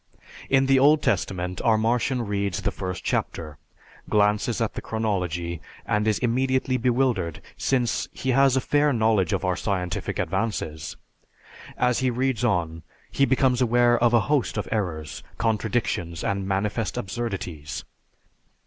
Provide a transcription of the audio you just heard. In the Old Testament, our Martian reads the first chapter, glances at the chronology, and is immediately bewildered since he has a fair knowledge of our scientific advances. As he reads on, he becomes aware of a host of errors, contradictions, and manifest absurdities.